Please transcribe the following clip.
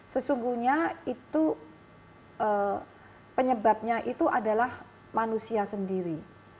sesungguhnya itu penyebabnya itu adalah manusia sendiri